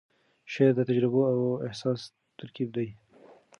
شعر د تجربو او احساس ترکیب دی.